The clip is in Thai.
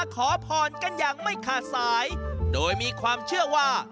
ขอพรกันอย่างไม่ขาดสายโดยมีความเชื่อว่า